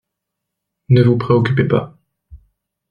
Ne vous préoccupez pas.